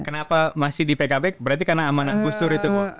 kenapa masih di pkb berarti karena amanah gustur itu bu